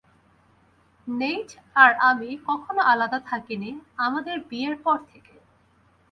Neat আর আমি কখনো আলাদা থাকিনি, আমাদের বিয়ের পর থেকে।